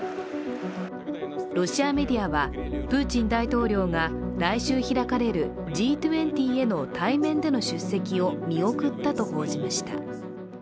ロシアメディアは、プーチン大統領が来週開かれるＧ２０への対面での出席を見送ったと報じました。